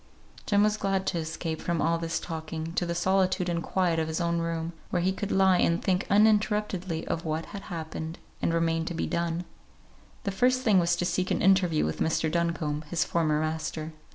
Jem was glad to escape from all this talking to the solitude and quiet of his own room, where he could lie and think uninterruptedly of what had happened and remained to be done. The first thing was to seek an interview with Mr. Duncombe, his former master.